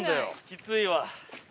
きついわ。